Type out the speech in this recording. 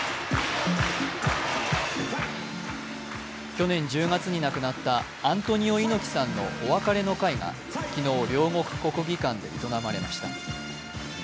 去年１０月に亡くなったアントニオ猪木さんのお別れの会が昨日、両国国技館で営まれました。